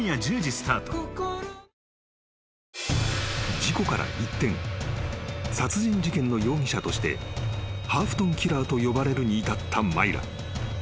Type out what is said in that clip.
［事故から一転殺人事件の容疑者としてハーフトンキラーと呼ばれるに至ったマイラ］